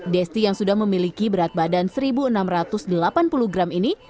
desti yang sudah memiliki berat badan satu enam ratus delapan puluh gram ini